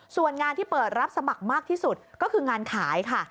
ส่วนงานที่เปิดรับสมัครมากที่สุดก็คืองานขายค่ะ